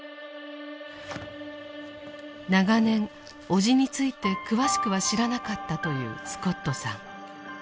長年叔父について詳しくは知らなかったというスコットさん。